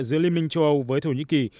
của liên minh châu âu với thổ nhĩ kỳ